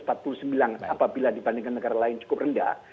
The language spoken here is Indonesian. apabila dibandingkan negara lain cukup rendah